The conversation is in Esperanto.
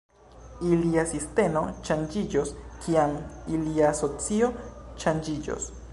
Ilia sinteno ŝanĝiĝos, kiam ilia socio ŝanĝiĝos.